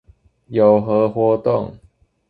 有何活動